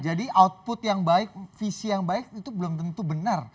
jadi output yang baik visi yang baik itu belum tentu benar